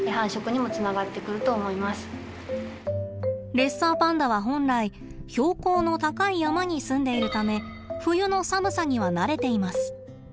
レッサーパンダは本来標高の高い山に住んでいるため冬の寒さには慣れています。